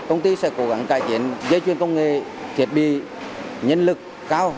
công ty sẽ cố gắng cải thiện dây chuyên công nghệ thiệt bị nhân lực cao